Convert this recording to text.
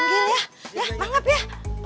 ya mangap ya